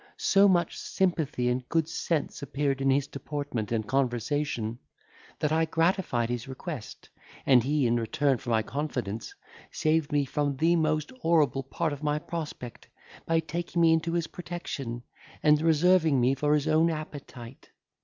So much sympathy and good sense appeared in his deportment and conversation, that I gratified his request, and he, in return for my confidence, saved me from the most horrible part of my prospect, by taking me into his protection, and reserving me for his own appetite.